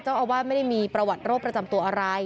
เจ้าอาวาสไม่ได้มีประวัติโรคประจำตัวอะไร